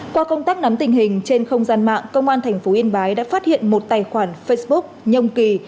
qua công tác nắm tình hình trên không gian mạng công an tp yên bái đã phát hiện một tài khoản facebook nhông kỳ